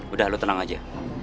udah lu tenang aja